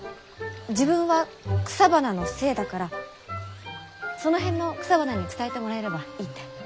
「自分は草花の精だからその辺の草花に伝えてもらえればいい」って。